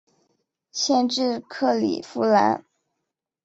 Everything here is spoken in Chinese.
县治克里夫兰。